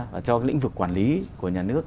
và cho lĩnh vực quản lý của nhà nước